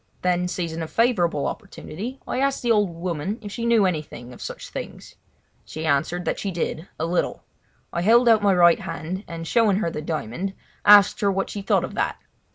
Then, seizing a favourable opportunity, I asked the old woman if she knew anything of such things. She answered that she did, a little. I held out my right hand, and, showing her the diamond, asked her what she thought of that.